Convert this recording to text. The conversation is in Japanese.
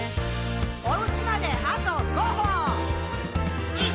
「おうちまであと５歩！」